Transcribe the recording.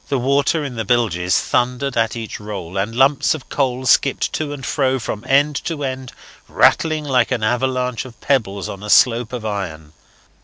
The water in the bilges thundered at each roll, and lumps of coal skipped to and fro, from end to end, rattling like an avalanche of pebbles on a slope of iron.